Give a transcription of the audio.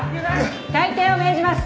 退廷を命じます。